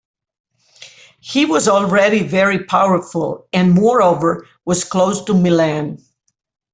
He was already very powerful, and moreover was close to Milan.